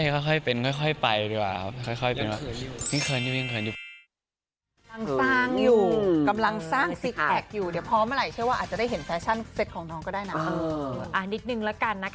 ค่อยเป็นค่อยไปดีกว่าครับ